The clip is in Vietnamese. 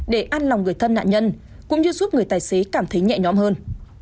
để an lòng người thân nạn nhân cũng như giúp người tài xế cảm thấy nhẹ nhõm hơn